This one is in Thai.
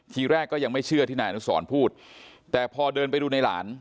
ทีแรกก็ยังไม่เชื่อที่นายอนุสรพูดแต่พอเดินไปดูในหลาน